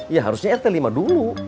ya harusnya rt lima dulu